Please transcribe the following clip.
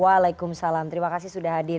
waalaikumsalam terima kasih sudah hadir